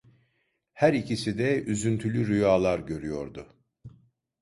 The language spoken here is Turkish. Her ikisi de üzüntülü rüyalar görüyordu.